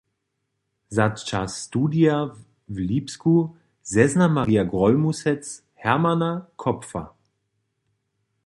Za čas studija w Lipsku zezna Marja Grólmusec Hermanna Kopfa.